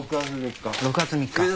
６月３日。